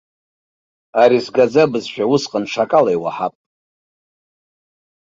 Ари сгаӡа бызшәа усҟан ҽакала иуаҳап.